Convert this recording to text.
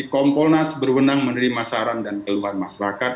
kompolnas berwenang menerima saran dan keluhan masyarakat